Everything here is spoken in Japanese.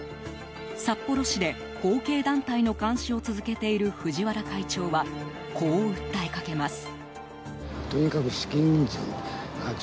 札幌市で後継団体の監視を続けている藤原会長はこう訴えかけます。